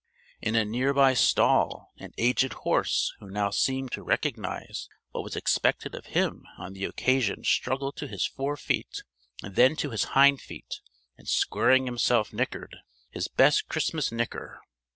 In a near by stall an aged horse who now seemed to recognize what was expected of him on the occasion struggled to his fore feet and then to his hind feet, and squaring himself nickered his best Christmas nicker!